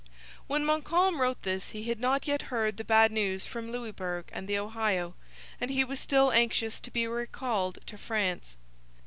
When Montcalm wrote this he had not yet heard the bad news from Louisbourg and the Ohio, and he was still anxious to be recalled to France.